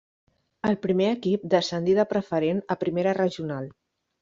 El primer equip descendí de preferent a primera regional.